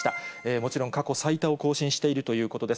もちろん、過去最多を更新しているということです。